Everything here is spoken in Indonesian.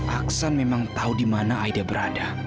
aksan memang tahu di mana aida berada